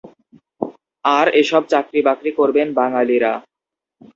আর এসব চাকরি-বাকরি করবেন বাঙালিরা।